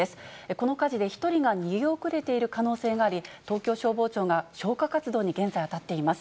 この火事で１人が逃げ遅れている可能性があり、東京消防庁が消火活動に現在当たっています。